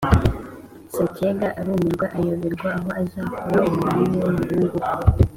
Sacyega arumirwa ayoberwa aho azakura umunani wumuhungu we